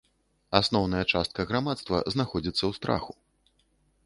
Асноўная частка грамадства знаходзіцца ў страху.